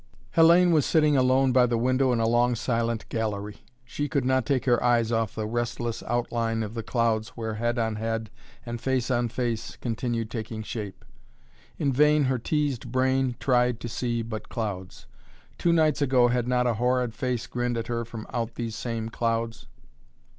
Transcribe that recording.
Hellayne was sitting alone by the window in a long silent gallery. She could not take her eyes off the restless outline of the clouds where head on head and face on face continued taking shape. In vain her teased brain tried to see but clouds. Two nights ago had not a horrid face grinned at her from out of these same clouds?